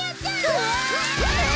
うわ！